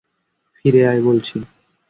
ফিরে আয় বলছি!